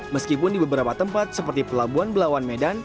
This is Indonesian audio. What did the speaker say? meskipun di beberapa tempat seperti pelabuhan belawan medan